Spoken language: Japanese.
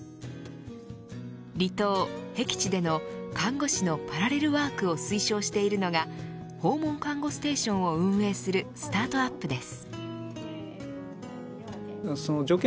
離島、へき地での看護師のパラレルワークを推奨しているのが訪問看護ステーションを運営するスタートアップです。